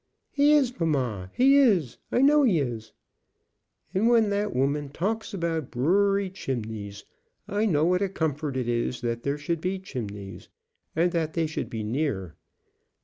"He is, mamma, he is. I know he is." "And when that woman talks about brewery chimneys, I know what a comfort it is that there should be chimneys, and that they should be near.